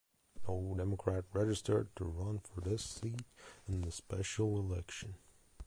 No Democrat registered to run for this seat in the special election.